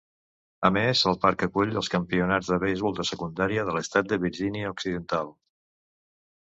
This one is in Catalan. A més, el parc acull els campionats de beisbol de secundària de l'estat de Virgínia. Occidental